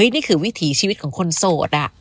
นี่คือวิถีชีวิตของคนโสด